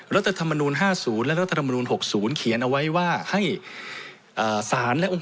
รัฐธรรมนุนห้าศูนย์และรัฐธรรมนุนหกศูนย์เขียนเอาไว้ว่าให้อ่าสารและองค์